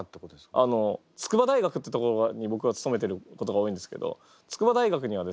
あの筑波大学ってところに僕は勤めてることが多いんですけど筑波大学にはですね